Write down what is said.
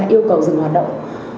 yêu cầu dừng hoạt động